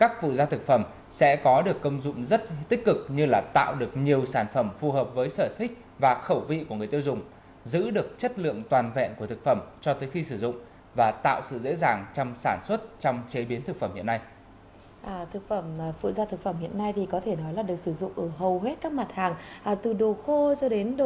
phụ gia thực phẩm được sử dụng rất phổ biến trong quá trình sản xuất chế biến bảo quản